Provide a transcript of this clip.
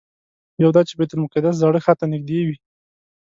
یو دا چې بیت المقدس زاړه ښار ته نږدې وي.